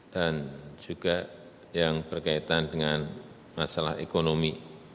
dan juga yang berkaitan dengan masalah ekonomi